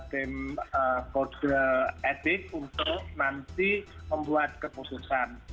dan juga etik untuk nanti membuat kekhususan